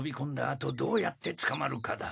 あとどうやってつかまるかだ。